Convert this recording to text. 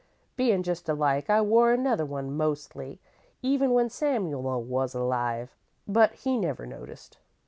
Bein' just alike, I wore another one mostly, even when Samuel was alive, but he never noticed.